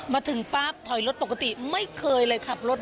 มาถึงปั๊บถอยรถปกติไม่เคยเลยขับรถ